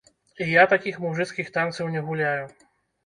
Я такіх мужыцкіх танцаў не гуляю.